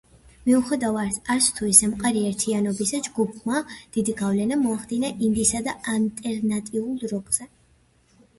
მიუხედავად არც თუ ისე მყარი ერთიანობისა, ჯგუფმა დიდი გავლენა მოახდინა ინდისა და ალტერნატიულ როკზე.